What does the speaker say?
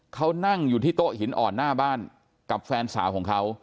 เขานั่งอยู่ที่โต๊ะหินอ่อนหน้าบ้านกับแฟนสาวของเขา